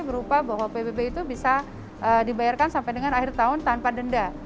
berupa bahwa pbb itu bisa dibayarkan sampai dengan akhir tahun tanpa denda